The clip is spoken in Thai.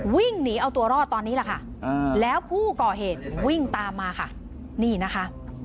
วิ่งหนีเอาตัวรอดตอนนี้แหละค่ะแล้วผู้ก่อเหตุวิ่งตามมาค่ะนี่นะคะ